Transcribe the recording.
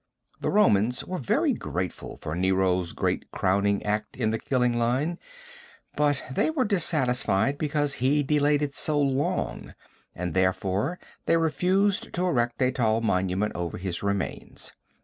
The Romans were very grateful for Nero's great crowning act in the killing line, but they were dissatisfied because he delayed it so long, and therefore they refused to erect a tall monument over his remains.